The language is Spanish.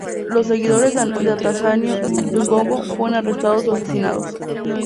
Los seguidores de Atanasio Ndongo fueron arrestados o asesinados.